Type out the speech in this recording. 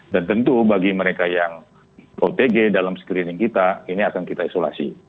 dan tentu bagi mereka yang otg dalam screening kita ini akan kita isolasi